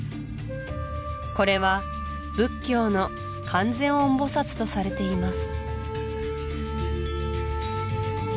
これは仏教の観世音菩薩とされています